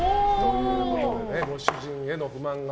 ご主人への不満が。